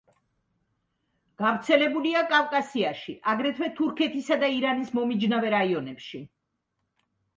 გავრცელებულია კავკასიაში, აგრეთვე თურქეთისა და ირანის მომიჯნავე რაიონებში.